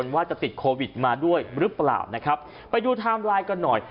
ว่าจะติดโควิดมาด้วยหรือเปล่านะครับไปดูไทม์ไลน์กันหน่อย